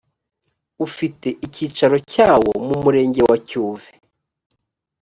ufite icyicaro cyawomu murenge wa cyuve